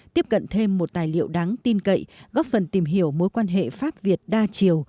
tiếp cận thêm một tài liệu đáng tin cậy góp phần tìm hiểu mối quan hệ pháp việt đa chiều